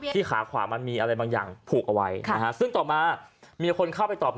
ขาขวามันมีอะไรบางอย่างผูกเอาไว้ซึ่งต่อมามีคนเข้าไปตอบ